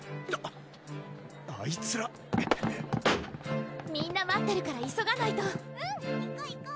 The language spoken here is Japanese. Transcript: あいつらみんな待ってるから急がないとうん行こ